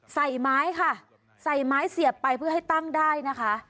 ใส่ไม้ค่ะใส่ไม้เสียบไปเพื่อให้ตั้งได้นะคะ